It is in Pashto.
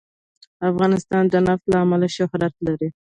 افغانستان د نفت له امله شهرت لري.